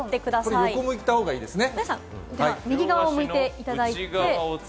これは横を向いた方がいいですね。